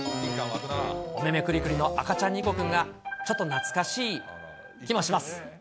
お目目くりくりの赤ちゃんニコくんがちょっと懐かしい気もします。